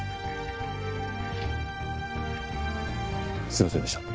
すいませんでした。